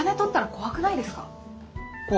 怖くないです。